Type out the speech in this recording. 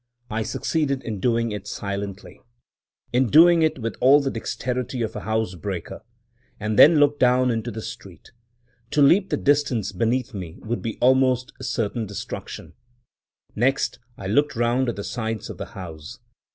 I succeeded in doing it silently — in doing it with all the dexterity of a house breaker — and then looked down into the street. To leap the distance beneath me would be almost certain destruction! Next, I looked round at the sides of the house.